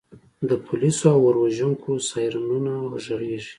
د پولیسو او اور وژونکو سایرنونه غږیږي